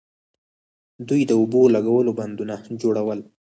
دوی د اوبو لګولو بندونه جوړول